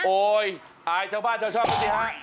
โอ๊ยอายชาวบ้านชาวชอบกันสิฮะ